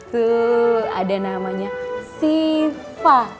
tuh ada namanya siva